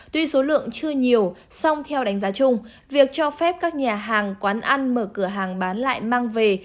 tuy số lượng chưa nhiều song theo đánh giá chung việc cho phép các nhà hàng quán ăn mở cửa hàng bán lại mang về